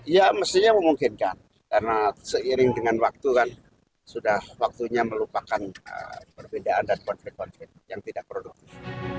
ya mestinya memungkinkan karena seiring dengan waktu kan sudah waktunya melupakan perbedaan dan konflik konflik yang tidak produktif